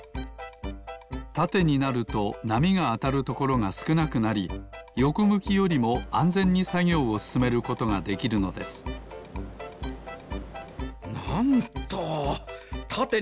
たてになるとなみがあたるところがすくなくなりよこむきよりもあんぜんにさぎょうをすすめることができるのですなんとたてにむきをかえてかつやくするふねがあるとはな。